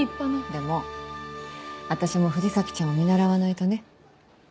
でも私も藤崎ちゃんを見習わないとね。